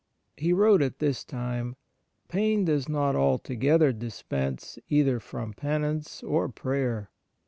He wrote at this time :' Pain does not altogether dispense either from penance or prayer.